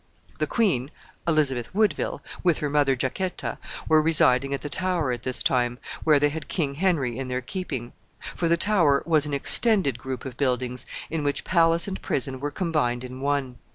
The queen Elizabeth Woodville with her mother Jacquetta, were residing at the Tower at this time, where they had King Henry in their keeping; for the Tower was an extended group of buildings, in which palace and prison were combined in one.